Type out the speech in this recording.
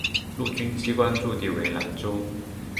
陆军机关驻地为兰州。